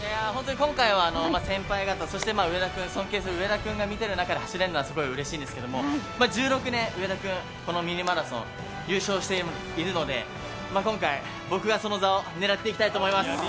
今回は先輩方、そして尊敬する上田君が見てる中で走れるのはすごいうれしいんですけれども、１６年、上田君、このミニマラソン、優勝しているので、今回、僕がその座を狙っていきたいと思います。